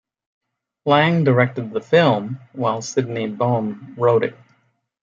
Lang directed the film while Sydney Boehm wrote it.